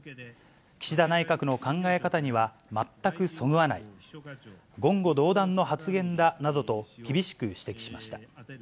岸田内閣の考え方には全くそぐわない、言語道断の発言だなどと、厳しく指摘しました。